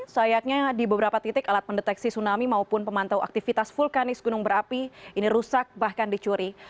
sayangnya di beberapa titik alat pendeteksi tsunami maupun pemantau aktivitas vulkanis gunung berapi ini rusak bahkan dicuri